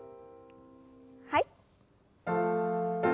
はい。